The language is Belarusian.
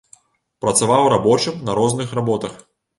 Працаваў рабочым на розных работах.